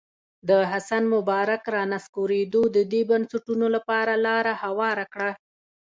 د حسن مبارک رانسکورېدو د دې بنسټونو لپاره لاره هواره کړه.